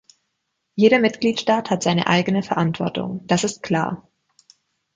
Jeder Mitgliedstaat hat seine eigene Verantwortung, das ist klar.